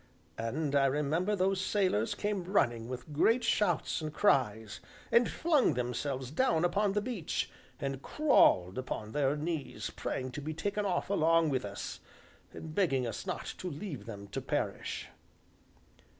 And I remember those three sailors came running with great shouts and cries, and flung themselves down upon the beach, and crawled upon their knees, praying to be taken off along with us, and begging us not to leave them to perish.